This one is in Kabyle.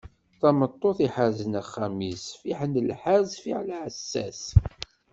Tameṭṭut iḥerzen axxam-is, fiḥel lḥerz fiḥel aɛessas.